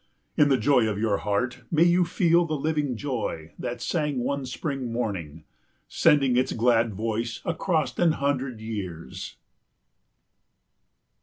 In the joy of your heart may you feel the living joy that sang one spring morning, sending its glad voice across an hundred years.